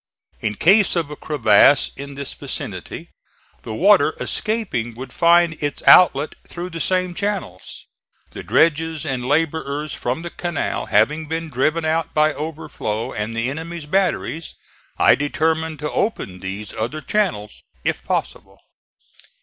In case of a crevasse in this vicinity, the water escaping would find its outlet through the same channels. The dredges and laborers from the canal having been driven out by overflow and the enemy's batteries, I determined to open these other channels, if possible.